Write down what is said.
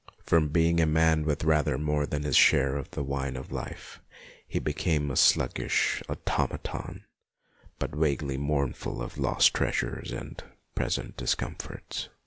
From being a man with rather more than his share of the wine of life, he became a sluggish automaton, but vaguely mournful for lost treasures and present discomforts.